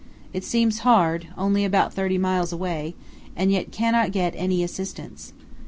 It seems hard, only about thirty miles away, and yet cannot get any assistance.